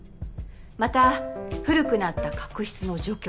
また古くなった角質の除去。